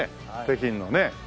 北京のね。